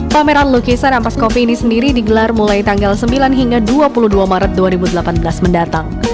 pameran lukisan ampas kopi ini sendiri digelar mulai tanggal sembilan hingga dua puluh dua maret dua ribu delapan belas mendatang